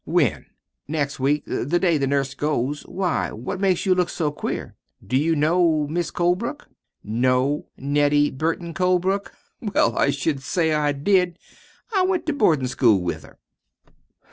"When?" "Next week. The day the nurse goes. Why? What makes you look so queer? Do you know Mis' Colebrook?" "Know Nettie Burton Colebrook? Well, I should say I did! I went to boardin' school with her."